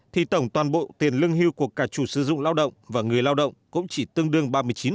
thì tổng toàn bộ tiền lương hưu của cả chủ sử dụng lao động và người lao động cũng chỉ tương đương ba mươi chín